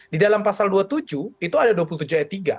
di dalam pasal dua puluh tujuh itu ada dua puluh tujuh ayat tiga